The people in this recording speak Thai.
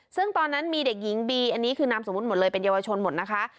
ซึ่งตอนนั้นมีเด็กหญิงบีอันนี้คือนามสมมุติหมดเลยเป็นเยาวชนหมดนะคะ